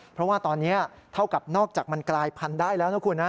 เพราะว่าตอนนี้เท่ากับนอกจากมันกลายพันธุ์ได้แล้วนะคุณนะ